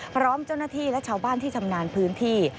พร้อมเจ้าหน้าที่และชาวบ้านที่ชำนาญพื้นที่